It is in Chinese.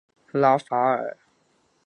拉法尔。